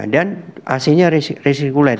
dan ac nya resirkulat